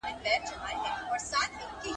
پلار د زامنو خپل او خواخوږی خو وي